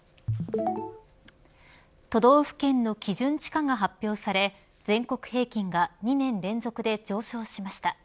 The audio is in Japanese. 都道府県の基準地価が発表され全国平均が２年連続で上昇しました。